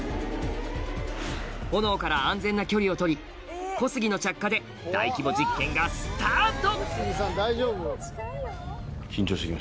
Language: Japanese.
炎から安全な距離を取り小杉の着火で大規模実験がスタート！